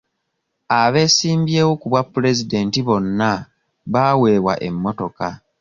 Abeesimbyewo ku bwa pulezidenti bonna baaweebwa emmotoka.